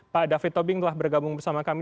pak david tobing telah bergabung bersama kami